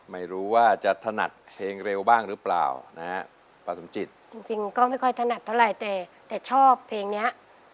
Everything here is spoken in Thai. ไม่รู้ว่าจะถนัดเพลงเร็วบ้างป่าก็ไม่ค่อยถนัดเท่าไรแต่ชอบเพลงนี้